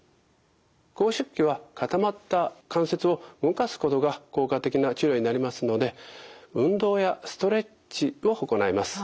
拘縮期は固まった関節を動かすことが効果的な治療になりますので運動やストレッチを行います。